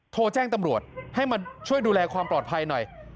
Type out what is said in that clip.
โทรแจ้งตำรวจให้มาช่วยดูแลความปลอดภัยหน่อย